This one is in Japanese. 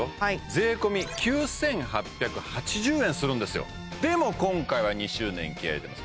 税込９８８０円するんですよでも今回は２周年気合い入れてます